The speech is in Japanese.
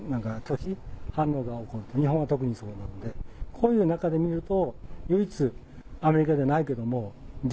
こういう中で見ると。